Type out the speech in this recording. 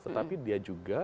tetapi dia juga